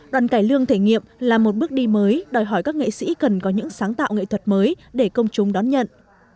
đoàn cải lương thể nghiệm là một bước đi mới đòi hỏi các nghệ sĩ cần có những sáng tạo nghệ thuật mới để công chúng đón nhận